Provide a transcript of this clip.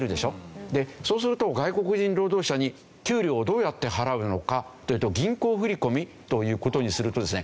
でそうすると外国人労働者に給料をどうやって払うのかというと銀行振込という事にするとですね